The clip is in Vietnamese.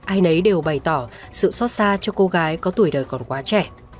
ai nấy đều bày tỏ sự xót xa cho cô gái có tuổi đời còn quá trẻ